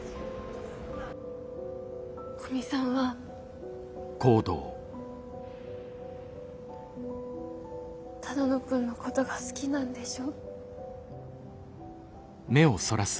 古見さんは只野くんのことが好きなんでしょ。